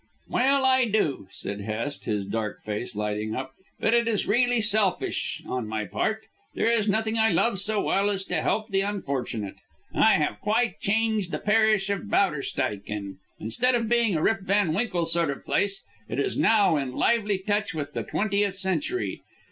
"Well, I do," said Hest, his dark face lighting up, "but it is really selfish on my part. There is nothing I love so well as to help the unfortunate. I have quite changed the parish of Bowderstyke, and instead of being a Rip Van Winkle sort of place it is now in lively touch with the twentieth century.